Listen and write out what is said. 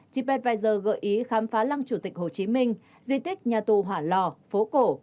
chipat pfizer gợi ý khám phá lăng chủ tịch hồ chí minh di tích nhà tù hỏa lò phố cổ